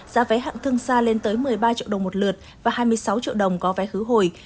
giá vé hạng thương xa lên tới một mươi ba triệu đồng một lượt và hai mươi sáu triệu đồng có vé khứ hồi